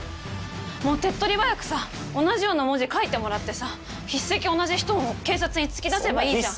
もう手っ取り早くさ同じような文字書いてもらってさ筆跡同じ人を警察に突き出せばいいじゃん。